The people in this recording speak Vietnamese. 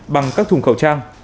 bằng các thùng khẩu trang